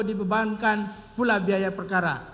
dibebankan pula biaya perkara